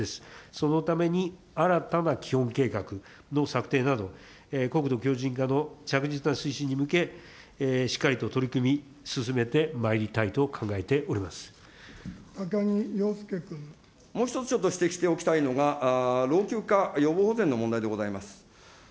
そのために、新たな基本計画の策定など、国土強じん化の着実な推進に向け、しっかりと取り組み、進めてまいりたいと考えておりま高木陽介君。もう一つ、ちょっと指摘しておきたいのが、老朽化、予防保全の問題でございます。